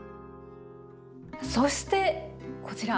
そしてこちら。